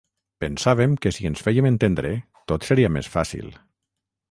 Pensàvem que si ens fèiem entendre, tot seria més fàcil.